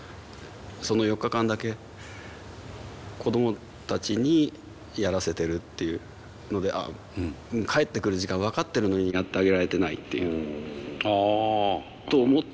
その４日間だけ子供たちにやらせてるっていうので帰ってくる時間分かってるのにやってあげられてないっていう。と思って動かないとって。